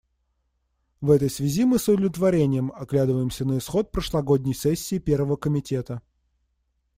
В этой связи мы с удовлетворением оглядываемся на исход прошлогодней сессии Первого комитета.